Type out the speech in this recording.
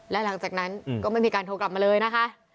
และหลังจากนั้นก็ไม่มีการโทรกลับมาเลยนะคะ